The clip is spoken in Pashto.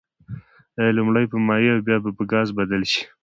آیا لومړی په مایع او بیا به په ګاز بدل شي؟